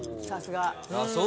さすが。